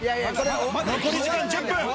残り時間１０分。